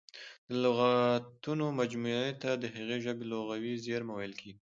د لغاتونو مجموعې ته د هغې ژبي لغوي زېرمه ویل کیږي.